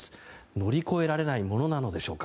乗り越えられないものなのでしょうか。